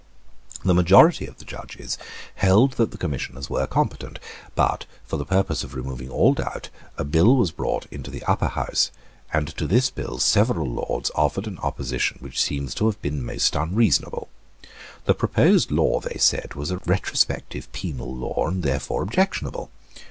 The majority of the judges held that the Commissioners were competent; but, for the purpose of removing all doubt, a bill was brought into the Upper House; and to this bill several Lords offered an opposition which seems to have been most unreasonable. The proposed law, they said, was a retrospective penal law, and therefore objectionable.